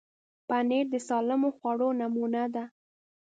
پنېر د سالمو خوړو نمونه ده.